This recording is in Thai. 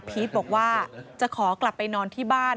บอกว่าจะขอกลับไปนอนที่บ้าน